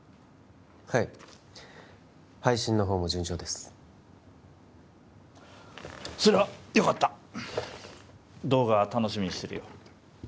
はい配信のほうも順調ですそれはよかった動画楽しみにしてるよ